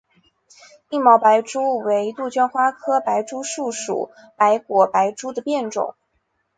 硬毛白珠为杜鹃花科白珠树属白果白珠的变种。